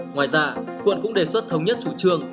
ngoài ra quận cũng đề xuất thống nhất chủ trương